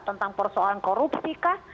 tentang persoalan korupsi kah